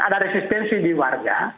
ada resistensi di warga